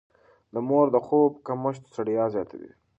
د مور د خوب کمښت ستړيا زياتوي.